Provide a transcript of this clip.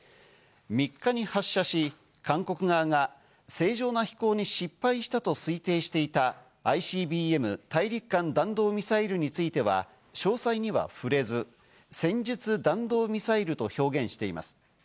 ３日に発射し、韓国側が正常な飛行に失敗したと推定していたＩＣＢＭ＝大陸間弾道ミサイルについては、詳細には触れず、戦術弾道ミサイルと表現しています。